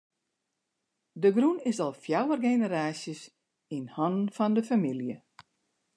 De grûn is al fjouwer generaasjes yn hannen fan de famylje.